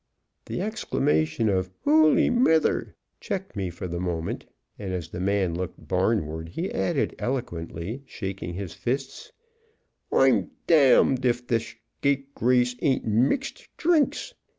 The exclamation of "Holy Mither!" checked me for the moment, and as the man looked barnward he added, elequently shaking his fists, "Oi'm dommed, if th' shcapegrace ain't mixin' dhrinks!"